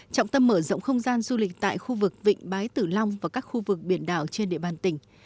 trọng tâm mở rộng không gian du lịch tại khu vực vịnh bái tử long và các khu vực biển đảo trên địa bàn tỉnh